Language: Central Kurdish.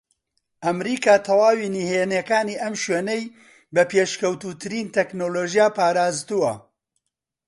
ئەمریکا تەواوی نھێنییەکانی ئەم شوێنەی بە پێشکەوتووترین تەکنەلۆژیا پارازتووە